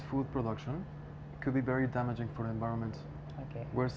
dan seluruh produksi makanan industrialisasi bisa menjadi sangat merosot untuk alam semesta